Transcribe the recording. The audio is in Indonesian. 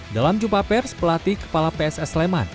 dalam jumpa pers pelatih kepala pss sleman